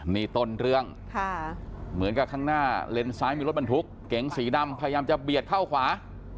นี่ต้นเรื่องเหมือนกับข้างหน้าเลนซ้ายมีรถบรรทุกเก๋งสีดำพยายามจะเบียดเข้าขวา